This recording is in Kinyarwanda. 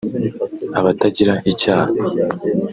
abatagira icyaha)